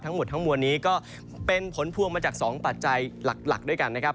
ทั้งหมดทั้งมวลนี้ก็เป็นผลพวงมาจาก๒ปัจจัยหลักด้วยกันนะครับ